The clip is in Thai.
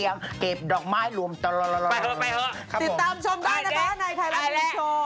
ติดตามชมได้นะคะในไทยวันนี้โชว์